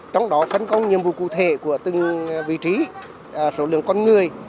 trong đó phân công nhiệm vụ cụ thể của từng vị trí số lượng con người